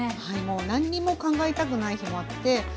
はいもう何にも考えたくない日もあって。